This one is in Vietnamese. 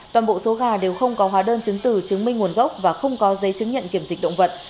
toàn bộ số gà đều không có hóa đơn chứng tử chứng minh nguồn gốc và không có giấy chứng nhận kiểm dịch động vật